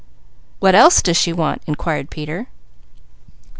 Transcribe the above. "What else does she want?" inquired Peter.